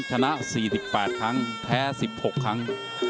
ชนะ๔๘ครั้งแพ้๑๖ครั้ง